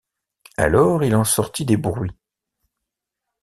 Alors il en sortit des bruits.